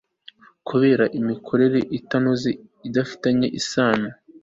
kureba imikorere itanoze ifitanye isano